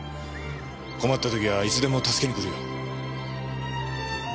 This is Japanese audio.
困った時はいつでも助けに来るよ。